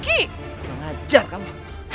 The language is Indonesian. tidak ngajar kamu